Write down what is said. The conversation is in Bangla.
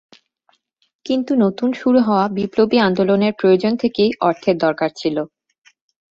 কিন্তু নতুন শুরু হওয়া বিপ্লবী আন্দোলনের প্রয়োজন থেকেই অর্থের দরকার ছিলো।